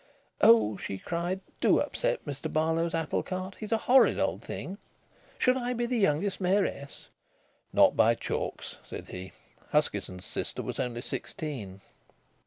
"Oh!" she cried, "do upset Mr Barlow's apple cart. He's a horrid old thing. Should I be the youngest mayoress?" "Not by chalks," said he. "Huskinson's sister was only sixteen."